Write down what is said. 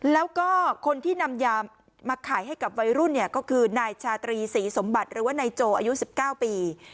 แล้วก็คนที่นำยามาขายให้กับวัยรุ่นเนี่ยก็คือนายชาตรีศรีสมบัติหรือว่านายโจอายุ๑๙ปี